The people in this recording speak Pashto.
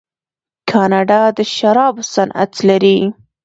کاناډا د شرابو صنعت لري.